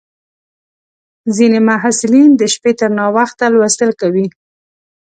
ځینې محصلین د شپې تر ناوخته لوستل کوي.